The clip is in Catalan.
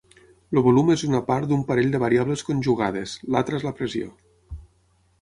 El volum és una part d'un parell de variables conjugades; l'altra és la pressió.